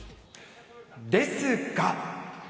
ですが。